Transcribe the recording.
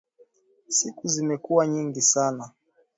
Siku zimekuwa nyingi sana.